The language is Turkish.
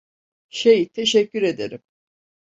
Şey, teşekkür ederim.